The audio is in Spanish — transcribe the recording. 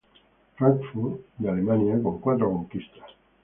Frankfurt de Alemania con cuatro conquistas.